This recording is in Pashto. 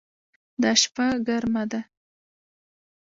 دا شپه ګرمه ده